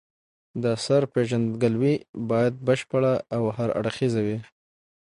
د اثر پېژندګلوي باید بشپړه او هر اړخیزه وي.